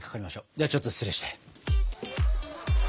ではちょっと失礼して。